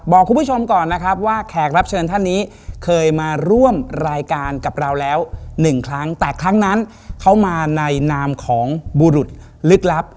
บอกคุณผู้ชมก่อนนะครับว่าแขกรับเชิญท่านนี้เคยมาร่วมรายการกับเราแล้วหนึ่งครั้งแต่ครั้งนั้นเขามาในนามของบุรุษลึกลับ